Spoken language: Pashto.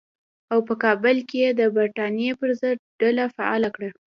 او په کابل کې یې د برټانیې پر ضد ډله فعاله کړه.